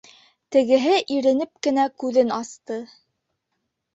Тегеһе иренеп кенә күҙен асты.